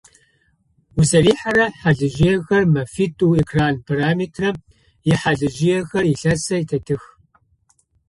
Узэрихьэрэ хьалыжъыехэр мэфитӏо, экран параметрэм ихьалыжъыехэр илъэсэ тетых.